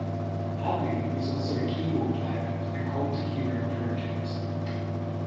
Hartley was also a keyboard player for the Cult Hero project.